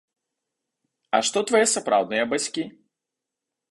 А што твае сапраўдныя бацькі?